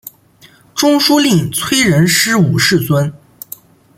中书令崔仁师五世孙。